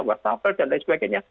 wartapel dan lain sebagainya